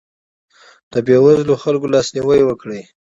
د بېوزلو خلکو لاسنیوی وکړئ.